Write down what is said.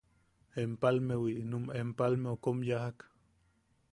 Empalmewi, num Empalmeu kom yajak.